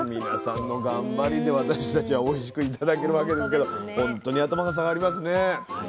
皆さんの頑張りで私たちはおいしく頂けるわけですけど本当に頭が下がりますね。